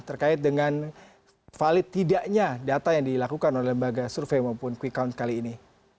terkait dengan valid tidaknya data yang dilakukan oleh lembaga survei maupun quick count kali ini